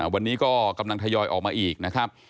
วันนี้ก็กำลังทยอยออกมาอีกนะครับ